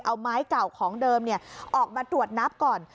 เอาไม้เก่าของเดิมออกมาตรวจนับก่อน